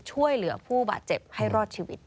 ช่วยเหลือผู้บาดเจ็บให้รอดชีวิต